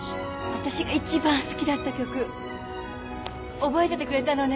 わたしがいちばん好きだった曲覚えててくれたのね！